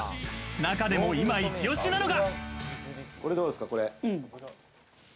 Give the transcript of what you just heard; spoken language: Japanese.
中でも今イチオシなのが。